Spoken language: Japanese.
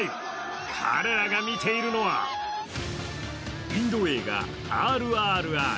彼らが見ているのはインド映画「ＲＲＲ」。